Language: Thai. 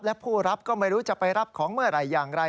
และผู้รับก็ไม่รู้จะไปรับของเมื่อไหร่อย่างไร